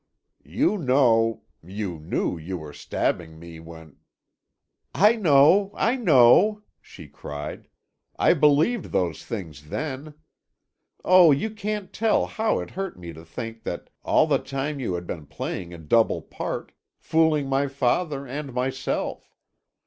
You know—you knew you were stabbing me when——" "I know, I know!" she cried. "I believed those things then. Oh, you can't tell how it hurt me to think that all the time you had been playing a double part—fooling my father and myself.